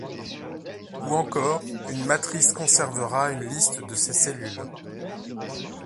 Ou encore, une matrice conservera une liste de ces cellules.